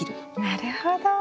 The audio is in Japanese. なるほど。